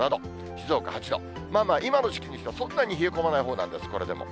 静岡８度、今の時期にしてはそんなに冷え込まないほうなんです、これでも。